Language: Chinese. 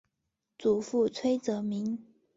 祖父崔则明。